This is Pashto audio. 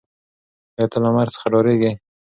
آیا ته له مرګ څخه ډارېږې؟